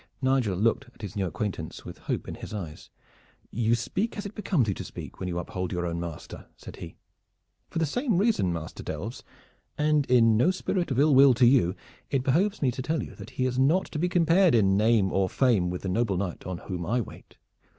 Nigel looked at his new acquaintance with hope in his eyes. "You speak as it becomes you to speak when you uphold your own master," said he. "For the same reason, Master Delves, and in no spirit of ill will to you, it behooves me to tell you that he is not to be compared in name or fame with the noble knight on whom I wait.